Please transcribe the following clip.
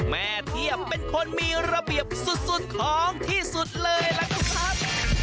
เทียบเป็นคนมีระเบียบสุดของที่สุดเลยล่ะครับ